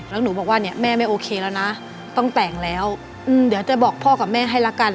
แล้วนะต้องแต่งแล้วอืมเดี๋ยวจะบอกพ่อกับแม่ให้ละกัน